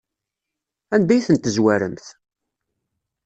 Anda ay tent-tezwaremt?